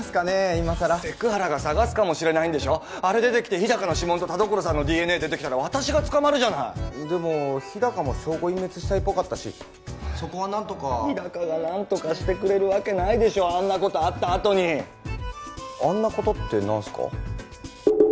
今さらセク原が捜すかもしれないんでしょあれ出てきて日高の指紋と田所さんのＤＮＡ出てきたら私が捕まるじゃないでも日高も証拠隠滅したいっぽかったしそこは何とか日高が何とかしてくれるわけないあんなことあったあとにあんなことって何すか？